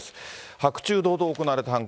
白昼堂々行われた犯行。